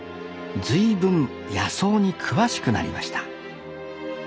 随分野草に詳しくなりました